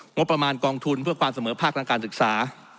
งบประมาณกองทุนเพื่อความเสมอภาคทางการศึกษา